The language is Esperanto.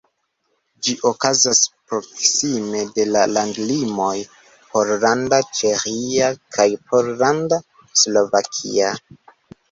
Ĝi okazas proksime de la landlimoj Pollanda-Ĉeĥia kaj Pollanda-Slovakia.